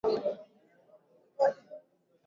nge nchini tanzania wanakutana leo jijini